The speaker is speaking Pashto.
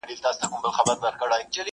• دا کيسه د انساني درد يوه اوږده نښه ده..